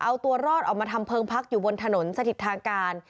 เอาตัวรอดออกมาทำเพลิงพักอยู่บนถนนสถิตทางการ